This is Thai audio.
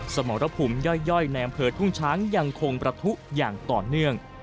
สมรภูมิย่อยในอำเภอทุ่งช้างยังคงประทุอย่างต่อเนื่อง